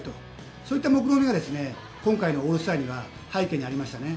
そういった目論見が今回のオールスターの背景にありましたね。